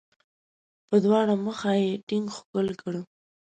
په دواړه مخه یې ټینګ ښکل کړ.